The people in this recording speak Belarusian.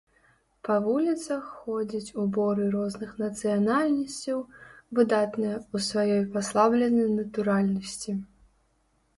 Па вуліцах ходзяць уборы розных нацыянальнасцяў, выдатныя ў сваёй паслабленай натуральнасці.